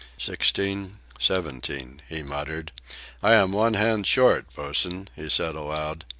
"Sixteen, seventeen," he muttered. "I am one hand short, bo'sen," he said aloud.